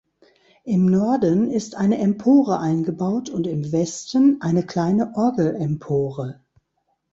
Im Norden ist eine Empore eingebaut und im Westen eine kleine Orgelempore.